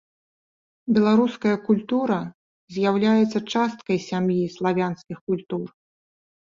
Беларуская культура з'яўляецца часткай сям'і славянскіх культур.